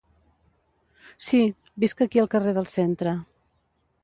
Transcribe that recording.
Si, visc aquí al carrer del centre.